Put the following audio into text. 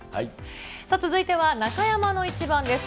さあ、続いては中山のイチバンです。